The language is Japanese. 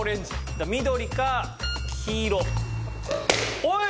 だから緑か黄色。おい！